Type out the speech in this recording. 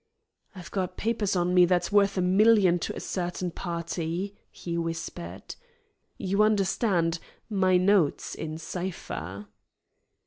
"I've got papers on me that's worth a million to a certain party," he whispered. "You understand, my notes in cipher."